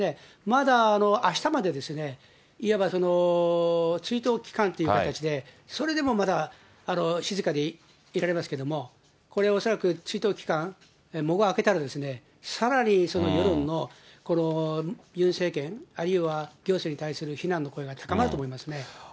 まだあしたまで、いわば追悼期間という形で、それでもまだ、静かでいられますけれども、これ、恐らく追悼期間、喪が明けたら、さらにその世論のユン政権、あるいは行政に対する非難の声が高まると思いますね。